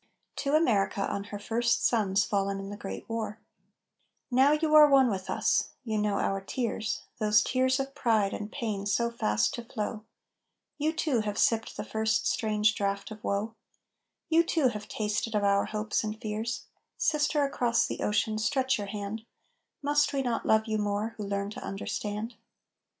TO AMERICA, ON HER FIRST SONS FALLEN IN THE GREAT WAR Now you are one with us, you know our tears, Those tears of pride and pain so fast to flow; You too have sipped the first strange draught of woe; You too have tasted of our hopes and fears; Sister across the ocean, stretch your hand, Must we not love you more, who learn to understand?